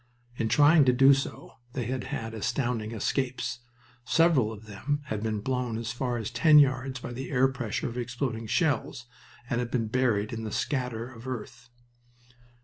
In trying to do so they had had astounding escapes. Several of them had been blown as far as ten yards by the air pressure of exploding shells and had been buried in the scatter of earth.